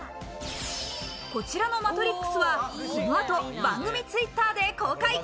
こちらのマトリックスは、この後、番組Ｔｗｉｔｔｅｒで公開。